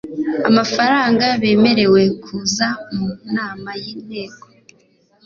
amafaranga bemerewe kuza mu nama y inteko